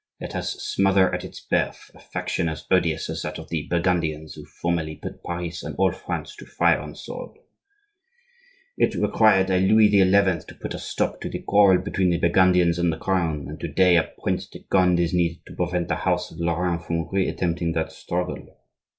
Let us smother at its birth a faction as odious as that of the Burgundians who formerly put Paris and all France to fire and sword. It required a Louis XI. to put a stop to the quarrel between the Burgundians and the Crown; and to day a prince de Conde is needed to prevent the house of Lorraine from re attempting that struggle.